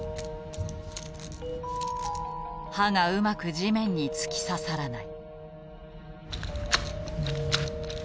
刃がうまく地面に突き刺さらない。